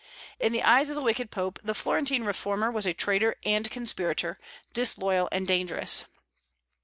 In the eyes of the wicked Pope, the Florentine reformer was a traitor and conspirator, disloyal and dangerous.